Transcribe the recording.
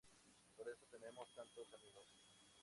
Por eso tenemos tantos amigos!!